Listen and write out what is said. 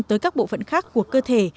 tới các bộ phận khác của cơ thể